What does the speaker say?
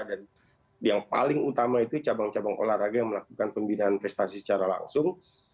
dan yang paling utama itu cabang cabang olahraga yang melakukan pembinaan prestasi secara langsung